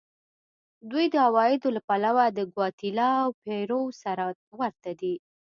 دوی د عوایدو له پلوه د ګواتیلا او پیرو سره ورته دي.